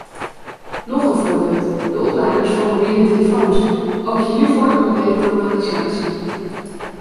Nog een voorbeeld: de opladers van mobiele telefoons - ook hiervoor ontbreekt normalisatie.